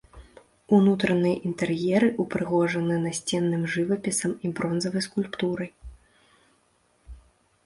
Унутраныя інтэр'еры ўпрыгожаны насценным жывапісам і бронзавай скульптурай.